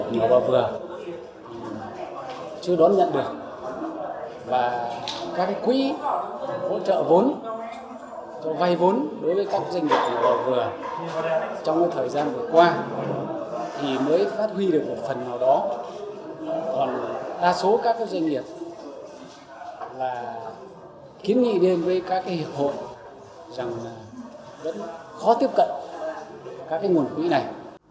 còn đa số các doanh nghiệp là kiến nghị đến với các hiệp hội rằng vẫn khó tiếp cận các nguồn quỹ này